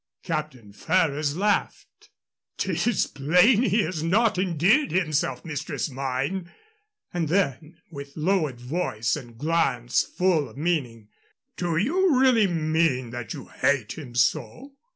Captain Ferrers laughed. "'Tis plain he has not endeared himself, mistress mine"; and then, with lowered voice and glance full of meaning, "Do you really mean that you hate him so?"